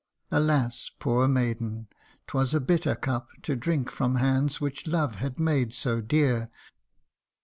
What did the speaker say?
Alas ! poor maiden, 'twas a bitter cup To drink from hands which love had made so dear.